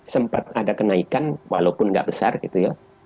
sempat ada kenaikan walaupun nggak besar gitu ya